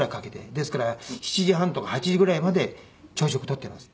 ですから７時半とか８時ぐらいまで朝食取っています。